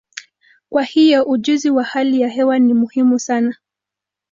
Kwa hiyo, ujuzi wa hali ya hewa ni muhimu sana.